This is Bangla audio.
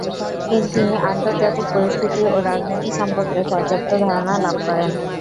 তিনি আন্তর্জাতিক পরিস্থিতি ও রাজনীতি সম্পর্কে পর্যাপ্ত ধারণা লাভ করেন।